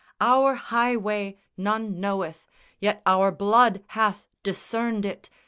_Our highway none knoweth, Yet our blood hath discerned it!